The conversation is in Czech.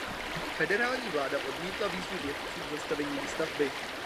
Federální vláda odmítla výzvu vědců k zastavení výstavby.